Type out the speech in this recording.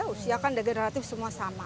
usia kan degeneratif semua sama